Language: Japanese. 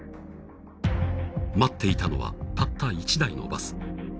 待っていたのはたった１台のバス。